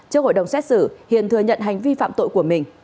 trước hội đồng xét xử hiền thừa nhận hành vi phạm tội của mình